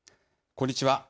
こんにちは。